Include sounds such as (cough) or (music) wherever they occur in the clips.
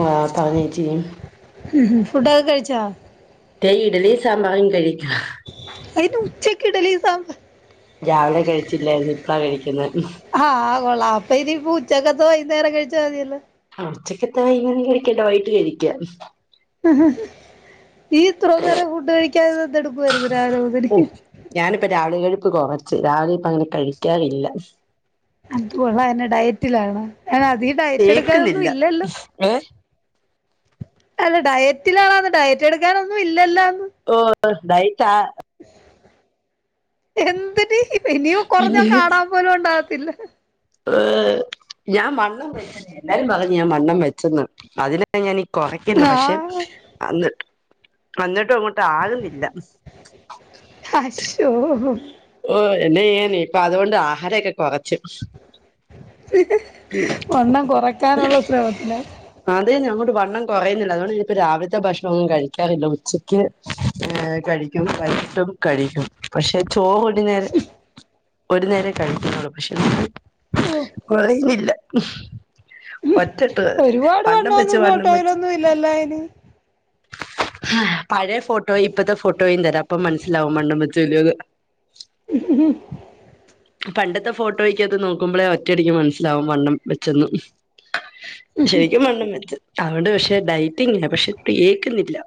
ആഹ് താനേച്ചി ഉം ഹും ഫുഡ്ഡൊക്കെ കഴിച്ചാ? ഇഡലീം സാമ്പാറും കഴിക്കാം. അയിനുച്ചക്ക് ഇഡലിം സാമ്പാ രാവിലെ കഴിച്ചില്ലായിര്ന്ന് ഇപ്പളാ കഴിക്കുന്നേ. ആഹ് ആഹ് കൊള്ളാം അപ്പൊ ഇനീപ്പുച്ചക്കത്തെ വൈന്നേരം കഴിച്ചാ മതിയല്ലോ. ഉച്ചക്കത്തെ വൈന്നേരം കഴിക്കണ്ട വൈട്ട് കഴിക്കാ ഇയ് ഇത്രും നേരം ഫുഡ് കഴിക്കാതെന്തെടുക്കുവാരുന്ന് രാവിലെ മുതല് ഓ ഞാനിപ്പ രാവെ കഴുപ്പ് കൊറച്ച് രാവിലെപ്പങ്ങനെ കഴിക്കാറില്ല. (unintelligible) ഡയറ്റിലാണോ അധിക ഡയറ്റ് തേക്കുന്നില്ല എടുക്കാനൊന്നും ഇല്ലല്ലോ. ഏ അല്ല ഡയറ്റിലാണോന്ന് ഡയറ്റെടുക്കാനൊന്നും ഇല്ലല്ലോന്ന്. ഓ ഡയടറ്റാ എന്തെടി ഇനിയും കൊറഞ്ഞാ പിന്നെ കാണാൻ പോലും ഒണ്ടാകത്തില്ല. ഞാൻ വണ്ണം വച്ചെന്നേ എല്ലാരും പറഞ്ഞ് ഞാൻ വണ്ണം വെച്ചന്ന്, അതിന ഞാനീ കൊറയ്ക്കുന്നു ആ പക്ഷെ അന്നിട്ട് അന്നട്ടും അങ്ങോട്ട് ആകുന്നില്ല. ആശോ ഓ എന്നെയ്യാനേ ഇപ്പതുകൊണ്ട് ആഹാരെക്കെ കൊറച്ച്. വണ്ണം കൊറക്കാനുള്ള ശ്രമത്തിലാ- അതെന്നേ അങ്ങോട്ട് വണ്ണം കൊറയുന്നില്ല അതോണ്ട് ഇനിപ്പോ രാവിലെത്തെ ഭക്ഷണൊന്നും കഴിക്കാറില്ല ഉച്ചയ്ക്ക് ഏഹ് കഴിക്കും വെെകീട്ടും കഴിക്കും. പക്ഷെ ചോറൊരു നേരം ഒരു നേരം കഴിക്കുന്നുള്ളു പക്ഷേ ഓ കൊറയുന്നില്ല ഒറ്റട്ട് ഒരുപാട് വണ്ണം വെച്ച് വണ്ണവൊന്നും വണ്ണം വെച്ച് ഫോട്ടോയിലൊന്നും ഇല്ലല്ലോ അയിന്. ആഹ് പഴയ ഫോട്ടോയും ഇപ്പത്തെ ഫോട്ടോയും തരാം അപ്പൊ മനസ്സിലാവും വണ്ണം വച്ചോ ഇല്ല്യോന്ന്. (inaudible) പണ്ടത്തെ ഫോട്ടോയിക്കാത്ത് നോക്കുമ്പോളേ ഒറ്റടിയ്ക്ക് മനസ്സിലാവും വണ്ണം വെച്ചെന്ന്. ശരിക്കും വണ്ണം വച്ച് അതുകൊണ്ട് പക്ഷെ ഡൈറ്റിങ് പക്ഷെ ഏക്കുന്നില്ല.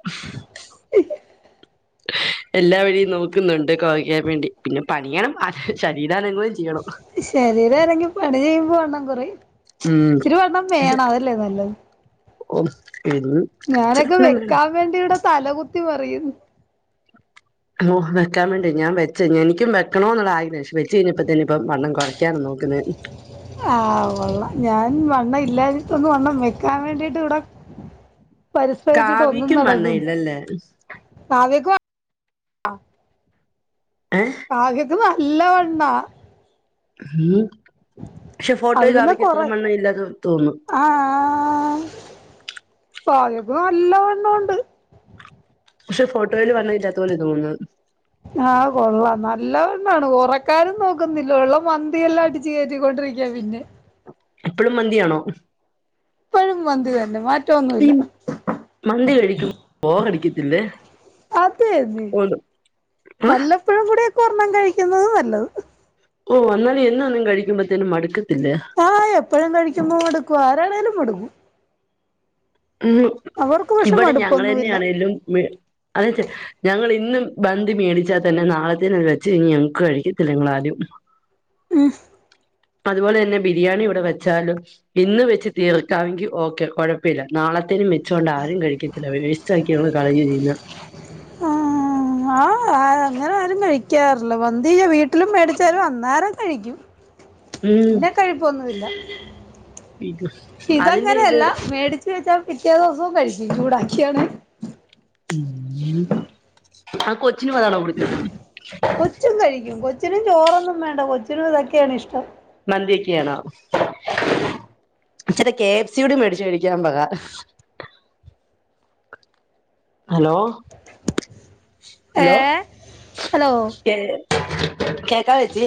(inaudible) എല്ലാ വഴിയും നോക്കുന്നുണ്ട് കൊറയ്ക്കാൻ വേണ്ടി, പിന്നെ പണിയണം അത് ശരീരാനങ്ങുകേം ചെയ്യണം. ശരീരനങ്ങി പണി ചെയ്യുമ്പോ വണ്ണം കൊറയും ഉം നല്ലത് (unintelligible) ഞാനൊക്കെ വണ്ണം വേണം വെക്കാൻ വേണ്ടി ഇവിടെ തലകുത്തി മറിയുന്നു ഓ വെക്കാൻ വേണ്ടി ഞാൻ വെച്ച എനിക്കും വെക്കണോന്നുള്ള ആഗ്രഹമാ പക്ഷെ വെച്ച് കഴിഞ്ഞപ്പോ തന്നെപ്പവണ്ണം കൊറക്കാനാ നോക്കുന്നേ. ആഹ് കൊള്ളാം ഞാൻ വണ്ണം ഇല്ലാഞ്ഞിട്ടൊന്ന് വണ്ണം വെക്കാൻ വേണ്ടീട്ട് ഇവടെ പരിശ്രിച്ചിട്ടൊന്നും കാവ്യക്കും വണ്ണം നടക്കും ഇല്ലല്ലേ ഭാവിക്ക് ഏഹ് കാവ്യയ്ക്ക് നല്ലവണ്ണാ. ഉം പക്ഷെ അത് ഫോട്ടോയീ പിന്നെ കാവ്യയ്ക്ക് കൊറ അത്ര വണ്ണ ഇല്ലാ തോന്നും. ആഹ് ആഹ് (unintelligible) നല്ലവണ്ണോണ്ട്. പക്ഷെ ഫോട്ടോയില് വണ്ണവില്ലാത്ത പോലെ തോന്നുന്ന് ആഹ് കൊള്ളാം നല്ലവണ്ണാണ് കൊറക്കാനും നോക്കുന്നില്ല ഒള്ള മന്തിയെല്ലാം അടി ച്ച് കേറ്റിക്കൊണ്ടിരിക്ക്യാ പിന്നെ എപ്പളും മന്തിയാണോ? ഇപ്പഴും മന്തി തന്നേ മാ മന്തി കഴിക്കും ബോറടിക്കത്തില്ലേ? അതെ അതെ ഓ ഏഹ് വല്ലപ്പഴും കൂടിയൊക്കെ ഒർണ്ണം കഴിക്കുന്നത് നല്ലത്. ഓ വന്നാല് എന്നൊന്നും കഴിക്കുമ്പത്തേനും മടുക്കത്തില്ല. എപ്പഴും കഴിമ്പോ മടുക്കും ആരാണേലും മടുക്കും. ഉം അവർക്ക് പക്ഷെ മടുപ്പൊന്നുമില്ല ഇവിടെഞങ്ങളെന്നെയാണെലും മി അതച്ച് ഞങ്ങൾ ഇന്നും മന്തി മേടിച്ചാൽ തന്നെ നാളത്തേന് വെച്ച് ഇ ഞങ്ങക്ക് കഴിക്കത്തില്ല ഞങ്ങളാരും ഉം അതുപോലെന്നെ ബിരിയാണിഇവിടെവെച്ചാലും ഇന്ന് വെച്ച്തീർക്കാമെങ്കിഓക്കെ കൊഴപ്പില്ല നാളത്തേനുംവെ വെച്ചൊണ്ടാരുംകഴിക്കത്തില്ല വേസ്റ്റ്ക്കി ഞങ്ങൾ കളയുക ചെയ്യുന്നേ ആഹ് ആഹാ അങ്ങനാരുംകഴിക്കാറില്ല വന്തിയും വീട്ടിലുംമേടിച്ചാലും അന്നേരംകഴിക്കും ഉം പിന്നെകഴിപ്പൊന്നുംല്ല (inaudible) അതിന്റെ ഇത് ശീതങ്ങനെയല്ല മേടിച്ച് വെച്ചപിറ്റേദിവസവുംകഴിക്കും ചൂടാക്കിയാണ് ഉം ആകൊച്ചിന് വതണൊകൊട് കൊച്ചുംകഴിക്കും കൊച്ചിനുംചോറൊന്നുംവേണ്ട കൊച്ചിനുംഇതൊക്കെയാണ്ഇഷ്ടം മന്തിക്കെയാണോ ച്ചരെ കെ എഫ് സിയുടിംമേടിച്ചുകഴിക്കാൻപറ ഹലോ ഹലോ കേ കേക്കാവേച്ചി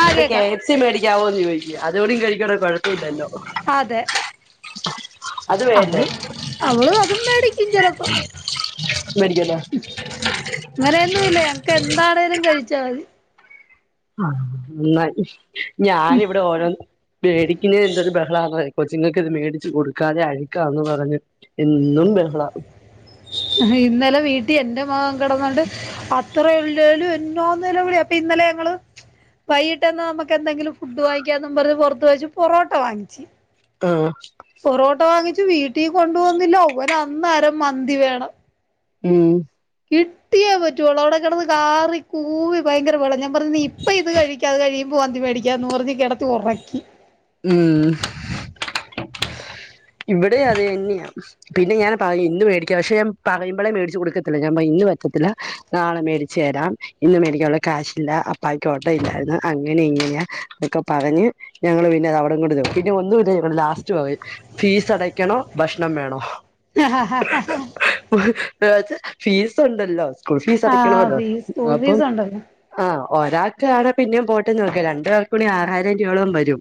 ആഹ് ഒരു കെ കേക്കാം എഫ് സി മേടിക്കാവോന്ന്ചോയിച്ച് അതൂടിം കഴിക്കാണെ കൊഴ (inaudible) അതെ അവള് അവള് അതുംമേടിക്കും ചെലപ്പോ. (inaudible) ഇങ്ങനെയെന്നുല്ല ഞങ്ങക്കെന്താണേലും കഴിച്ചാമതി. ആഹ് (unintelligible) ഞാനിവിടെ ഓരോന്ന് പേടിക്കിലേന്തൊരു ബഹളാന്നഹ് കൊച്ചിങ്ങക്ക്ത് മേടിച്ച് കൊടുക്കാതെ അഴിക്കാവുന്ന് പറഞ്ഞ് എന്നും ബഹളാ ഇന്നലെ വീട്ടീ എന്റെ മകൻ കടന്നാണ്ട് അ (unintelligible) എന്നോ നിലവിളി അപ്പ ഇന്നലെ ഞങ്ങള് വൈകിട്ട്ന്ന് നമ്മക്കന്തെങ്കിലും ഫുഡ് വാങ്ങിക്കാന്നും പറഞ്ഞ് പൊറത്ത് വയിച്ച് പൊറോട്ട വാങ്ങിച് ആഹ് പൊറോട്ട വാങ്ങിച്ചു വീട്ടീകൊണ്ട് വന്നില്ല ഓനന്നേരം മന്തിവേണം. ഉം കിട്ടിയെ പറ്റൊള്ളു അവിടെകടന്ന് കാറി കൂവി ഭയങ്കരവളം ഞാൻ പറഞ്ഞ് ഇപ്പ ഇത് കഴി അത്കഴിയ്മ്പോ വന്തിമെടീക്കാന്ന് പറഞ്ഞ് കെടത്തിഒറക്കി ഉംഹ് ഇവിടെ അതന്ന്യയാ പിന്നെ ഞാൻ പാറഞ്ഞു ഇന്ന് വേടിക്ക പക്ഷെ പറയുമ്പളെ മേടിച്ച് കൊടുക്കത്തില്ല ഞാൻ ഇന്ന്പറ്റത്തില്ല നാളെ മേടിച്ചേരാം ഇന്ന് മേടിക്കാൻഉള്ള കാശില്ല അപ്പായ്ക്ക് ഓട്ടം ഇല്ലായിരുന്നു അങ്ങനെ ഇങ്ങനെയാ അതൊക്കെ പറഞ്ഞ് ഞങ്ങള് പിന്നെ അവിടം കൊണ്ട് നിർ പിന്നെ ഒന്നുമില്ല ഞങ്ങള് ലാസ്റ്റ് പറിം ഫീസ് അടയ്ക്കണോ ഭഷ്ണം വേണോ? ഹ്ഹാ ഹഹഹഹ ഫീസ് ഉണ്ടല്ലോ സ്കൂൾഫീസ് ആ അടക്കണൊല്ലോ ഫീസ് സ്കൂൾ അപ്പൊ ഫീസ് ഉണ്ടല്ലോ ആഹ് ഒരാക്കാണ പിന്നേം പോട്ടെന്ന് വെക്കാ രണ്ട് പെ കൂടി ആറായിരം രൂപയോളം വരും.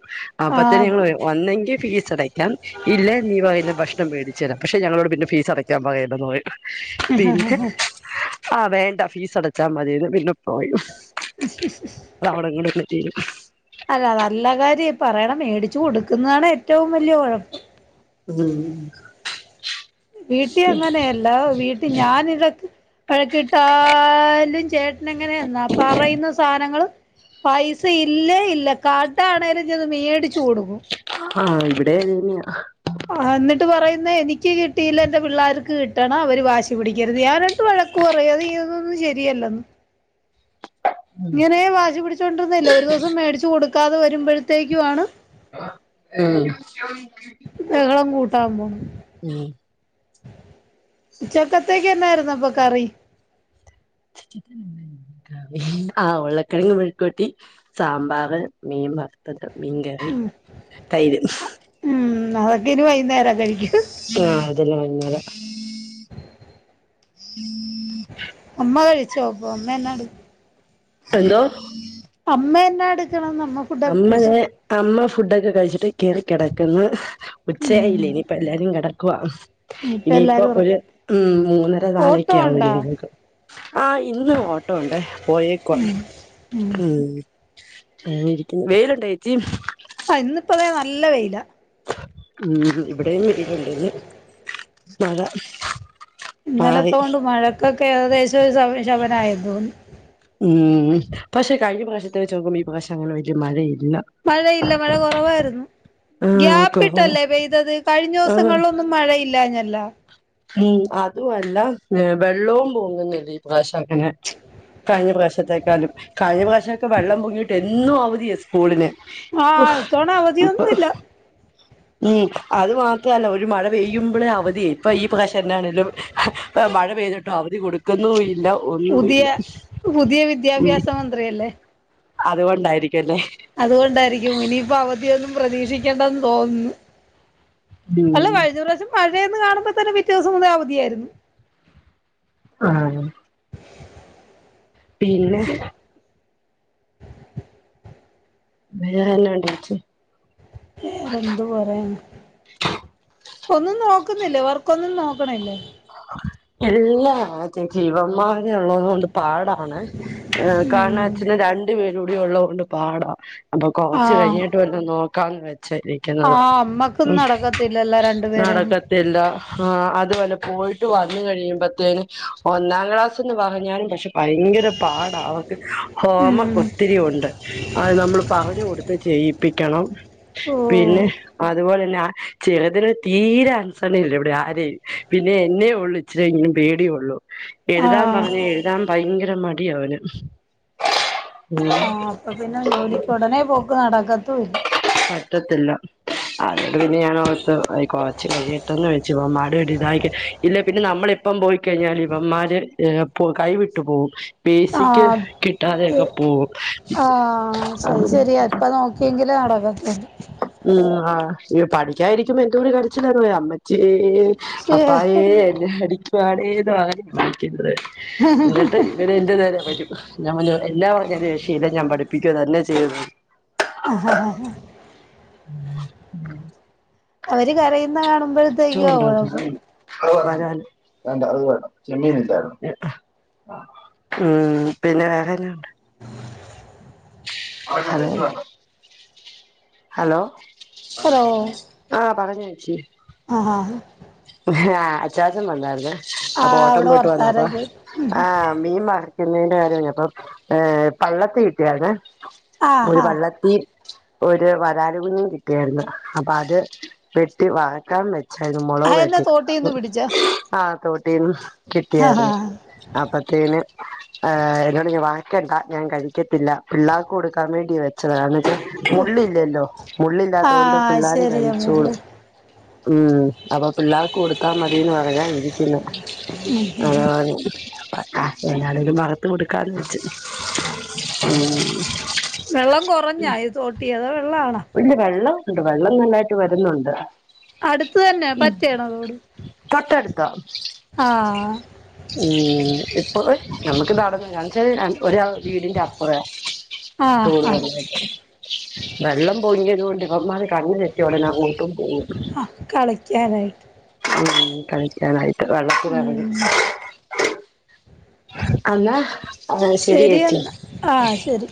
ആ അപ്പൊ തന്നെ ഞങ്ങള് പറിം ഒന്നെങ്കി ഫീസ് അടയ്ക്കാം ഇല്ലേയ് നീപറയ്ന്ന ഭക്ഷണം വേടിച്ചരാ പക്ഷെ ഞങ്ങളോട് പിന്നെ ഫീസ് അടയ്ക്കാൻ പറയര്തന്ന് പറിം. പിന്നെ ആവേണ്ട ഫീസ് അടച്ചാമതിന്ന് പിന്നെ പായും. (unintelligible) അത അവിടം കൊണ്ടന്നെ തീരും അല്ല നല്ല കാര്യ പറയണമേടിച്ച് കൊടുക്കുന്നാണ് ഏറ്റവുംവലിയ കൊഴപ്പം. ഉം വീട്ടിഅങ്ങനെയല്ല വീട്ടി ഞാനിതക്ക് വഴക്കിട്ടാലും ചേട് ണങ്ങനെയെന്ന പറയുന്ന സാനങ്ങള് പൈസ ഇല്ലേഇല്ല കാഡ്ഡാണേലും ചെന്ന് മേടിച്ചു കൊടുക്കും. ആഹ് ഇവിടെ (unintelligible) ആഹ് എന്നിട്ട് പറയുന്ന എനിക്ക് കിട്ടിയില്ല എന്റെ പിള്ളേർക്ക് കിട്ടണം അവര് വാശി പിടിക്കരുത്. ഞാന് വഴക്ക് പറയും അതീതൊന്നും ശരിയല്ലന്ന് ഇങ്ങനെയെ വാശി പിടിച്ചുകൊണ്ടന്നില്ലെ ഒരു ദിവസം മേടിച്ച് കൊടുക്കാതെ വരുമ്പഴത്തേക്കു ആണ് ഉം ബഹളം കൂട്ടാൻ പോ ഉം ഉച്ചക്കത്തേക്ക് എന്നായിരുന്നു അപ്പൊ കറി? ആഹ് ഉള്ളക്കിഴങ്ങ് മെഴക്ക്പെര്ട്ടി, സാമ്പാറ്, മീൻ വർ ഉം (unintelligible) ഉം അതൊക്കെ ഇനി വൈകുന്നേരം കഴിക്കും ആഹ് അതല്ലാ (unintelligible) അമ്മ കഴിച്ചോ അപ്പൊ അമ്മ എന്നാ എടു എന്തോ? അമ്മയന്നാ എടുക്കണ നമ്മക് അമ്മയെ അമ്മ ഫുഡൊക്കെ കഴിച്ചിട്ട് കേയ്‌റി കെടക്ക്ന്ന് ഉച്ചയായില്ല ഉം ഇനിയിപ്പ എല്ലാരും കിടക്കവാ ഇപ്പ ഇനിയിപ്പോ എല്ലാരും ഒരു ഉറക്ക ഉമ് മൂന്നര ഓട്ടോ നാളൊക്കെ ആവും ഉണ്ടോ (unintelligible) ആഹ് ഇന്ന് ഓട്ടോ ഉണ്ടേ പോയേക്കോ ഉമ് അഹ് ഇരിക്ക വെയിലുണ്ട ച്ചി ആ ഇന്നിപ്പ അത നല്ല വെയില ഉമ് ഇവിടെയും വെയിലുണ്ടന്ന് മഴ മാറി ഇന്നലത്തൊണ്ട് മഴക്കൊക്കെ ഏകദേശം ഒരു ശമനായി തോന്നന്ന് ഉമ് പക്ഷെ കഴിഞ്ഞ പ്രാവശത്തെ വച്ച് നോക്കുമ്പോ ഈ പ്രശം അങ്ങനെ വല്ല്യ മഴല്ല മഴയില്ല മഴ കുറവായിരുന്നു ആഹ് കൊറവാ ഗ്യാപ്പിട്ടല്ലേ പെയ്തത് കഴിഞ്ഞ ആഹ് ദിവസങ്ങളിലൊന്നും മഴയില്ലഞ്ഞല്ല ഉമ് അതുവല്ല വെള്ളവും പോങ്ങുന്നില്ല ഈ പ്രാവശ്യം അങ്ങനെ കഴിഞ്ഞ പ്രശത്തേക്കാളും കഴിഞ്ഞ പ്രശക്കെ വെള്ളം പൊങ്ങിയിട്ട് എന്നും അവധി സ്കൂളിന് ആഹ് ഇത്തവണ അവധിയൊന്നുല്ല ഉമ് അത് മാത്രല്ല ഒരു മഴ പെയ്യുമ്പോഴേ അവധിയ ഇപ്പോൾ ഈ പ്രാശം തനാണെങ്കിലും മഴ പെയ്തിട്ടോ അവധി കൊടുക്കുന്നു ഇല്ല പുതിയ ഒന്നുമില്ല പുതിയ ഉം വിദ്യാഭ്യാസ മന്ത്രിയല്ലേ അതുകൊണ്ടായിരിക്കല്ലേ അതുകൊണ്ടായിരിക്കും ഇനിയിപ്പോ അവധിയൊന്നും പ്രതീക്ഷിക്കണ്ട ന്ന് തോന്നുന്നു അല്ല ഉം കഴിഞ്ഞ പ്രാശ്യം മഴന്ന് കാണുമ്പോ തന്നെ പിറ്റേ ദിവസം അവധിയായിരുന്നു ആഹ് പിന്നെ (unintelligible) വേറെന്തു പറയാണ് ഒന്നും നോക്കുന്നില്ലേ വർക്കൊന്നും നോക്കണില്ലേ എല്ലാതി ജീവമ്മ (unintelligible) കൊണ്ട് പാടാണെ ഏഹ് (unintelligible) ഉം ള്ളത് കൊണ്ട് പാടാം അപ്പൊ കൊറച്ച ആഹ് കഴിഞ്ഞിട്ട് വല്ല നോക്കാന്ന് വെച്ച ക്ക്ണ ത് ആഹ് അമ്മക്കും നടക്കത്തില്ലല്ലോ രണ്ടുപേരേം നടക്കത്തില്ല അതുപലെ പോയിട്ട് വന്ന് കഴിയുമ്പത്തേന് ഒന്നാം ക്ലാസ്ന്ന് പറഞ്ഞാലും പക്ഷെ ഭയങ്കര പാടാവും ഉം ഹോമ ഒത്തിരി ഉണ്ട് അത് നമ്മൾ പറഞ്ഞു കൊടുത്ത് ചെയ്യിപ്പിക്കണം ഓ പിന്നെ അതുപോലെ തന്നെ ആ ചിലതിനു തീരെ അനസരണി ല്ല ഇവിടെ ആരെയ പിന്നെ എന്നെ ഉള്ളു ഇച്ചിരി ഇങ്ങനും പേടിയേ ഉള്ളൂ എഴുതാൻ ആഹ് പറഞ്ഞേ എഴുതാൻ ഭയങ്കര മടി അവന് ഉം ആഹ് അപ്പൊ പിന്നെ ജോലിക്ക് ഉടനെ പോക്ക് നടക്കത്തുംല്ല പറ്റത്തില്ല. അതോട് പിന്നെ ഞൻ ഓർതു കൊറച്ച് കഴിയട്ടെന്ന് വെച്ചു ഇവന്മാർ ഒരു ഇതായിട്ടി പിന്നെ. പിന്നെ നമ്മളിപ്പം പോയിക്കഴിഞ്ഞാല് ഇവന്മാര് കൈവിട്ടു പോവും. ബേസിക്ക് ആഹ് ത് കിട്ടാതെയൊക്കെ പോവും അ എങ്കിലെ നടക്കത്തിള്ളൂ ഉമ് ആ പഠിക്കാനിരിക്കുമ്പോ എന്തൊരു കരച്ചിലാണെന്ന് അറിയ്യോ അമ്മ ച്ചിയെ ശേ അപ്പായേ എനെ അടിക്കുവാണേന്ന് ആ വിളിക്കുന്നത്. എന്നിട്ട് ഇവര് എന്റെ നേരേ വരും. ഞാൻ പറഞ്ഞു എല്ലാ ഒരു രഷയില്ല ഞാൻ പഠിപ്പിക്കുക തന്നെ ചെയും. ആഹ് ആഹ് അവര് കരയുന്ന കാണുമ്പോൾ. (unintelligible) വേണ്ട അത് വേണ്ട ചെമ്മീൻ ഇന്താണ്. ഉമ് പിന്നെ വേറെ ന്നാ ഹലോ ഹലോ ആഹ് പറഞ്ഞോ ചേച്ചി. ആഹ് ഹാ ഹ് ആഹ് അച്ചാച്ചൻ വന്നായിര്ന്നെ അപ്പൊ ആഹ് ഓട്ടം അവിടെ പോയിട്ട് വന്ന പ്പോ വർത്താനം കേട്ട് ആഹ് മീം മറക്കുന്നയ്ന്റെ കാര്യ ഞ്ഞഅപ്പൊ ഏഹ് കള്ളത്തിട്ടിയാർനെ. ഒരു ആഹ് പള്ളത്തി ഒരു വരാലുകുഞ്ഞിം കിട്ടിയാര്ന്നു അപ്പം അത് വെട്ടി വയക്കാൻ വെച്ചായിര്ന്നു. മൊളക ആഹ് എന്നെ പെയട്ടി തോട്ടീന്ന് പിടിച്ചോ ആഹ് തോട്ടീന്ന് ആഹാ കിട്ടിയാര്ന്നു. അപ്പത്തെയ്ന് ഏഹ് എന്നോട് ഞ്ഞ് വയക്കണ്ട ഞാൻ കഴിക്കത്തില്ല പിള്ളാർക്ക് കൊടുക്കാൻ വേണ്ടി വെച്ചതാണ് ച്ച മുള്ളില്ലല്ലോ മുള്ളില്ലാതോണ്ട് ആഹ് പിള്ളാരും ശരിയാ മുള്ള് കഴിച്ചോളും ഉം. അപ്പൊ പിള്ളാർക്ക് കൊടുക്കാ മതിന്ന് പറയാൻ ഇരിക്കുന്നു (unintelligible) ആഹ് ഏതാണേലും മറത്ത് കൊട്ക്കാന്ന് വെച്ച് ഉം. വെള്ളം കൊറഞ്ഞാ ഈ തോട്ടിയതോ വെള്ളാണോ? ഇല്ല വെള്ളം ണ്ട് വെള്ളം നല്ലായിട്ട് വര്ന്ന്ണ്ട്. അട്ത്ത തന്നെ പറ്റാണോ തോട് തൊട്ടടുത്താ ആഹ്. ഉം ഇപ്പൊ നമ്മക്ക് നടന്ന ഞാച്ചാല് ആഹ് ഒരാ വീടിന്റെ അപ്പൊറ. ആഹ് തോട് ആഹ് (unintelligible) വെള്ളം പൊങ്ങ്യതോണ്ട് ഇവന്മാർ കണ്ണ് തെറ്റ്യാ ഒടനെ കൂട്ടും പോവും. ആഹ് കളിക്ക്യാനായിട്ട്. ഉം കളിക്കാനായിട്ട് വെള്ളത്തിലെറങ്ങി. ഉം അന്നാ ശെരിയെന്നാ ആഹ് ശെരി.